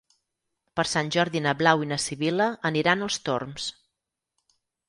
Per Sant Jordi na Blau i na Sibil·la aniran als Torms.